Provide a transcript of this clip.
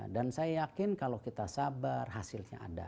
dan saya yakin kalau kita sabar hasilnya ada